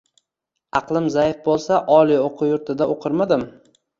Aqlim zaif bo‘lsa, oliy o‘quv yurtida o‘qirmidim!?.